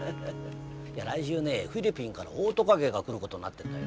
いや来週ねフィリピンからオオトカゲが来る事になってるのよ。